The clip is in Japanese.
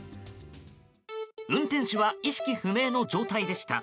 運転手は意識不明の状態でした。